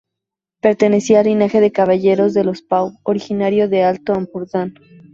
Pertenecía al linaje de caballeros de los Pau, originario del Alto Ampurdán.